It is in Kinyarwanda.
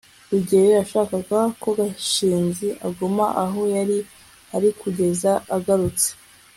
rugeyo yashakaga ko gashinzi aguma aho yari ari kugeza agarutse